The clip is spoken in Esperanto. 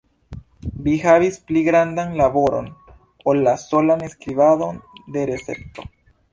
Vi havis pli grandan laboron, ol la solan skribadon de recepto.